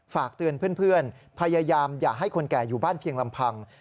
ฝากเตือนเพื่อนพยายามอย่าให้คนแก่อยู่บ้านเพียงลำพัง